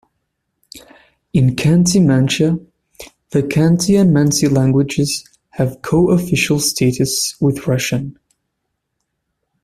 In Khanty-Mansia, the Khanty and Mansi languages have co-official status with Russian.